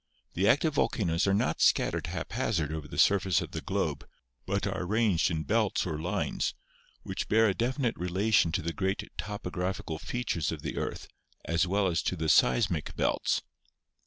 The active volcanoes are not scattered haphazard over the sur face of the globe, but are arranged in belts or lines, which bear a definite relation to the great topographical features of the earth as well as to the seismic belts.